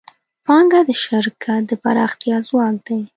پانګه د شرکت د پراختیا ځواک دی.